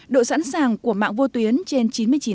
độ sẵn sàng của mạng vô tuyến trên chín mươi chín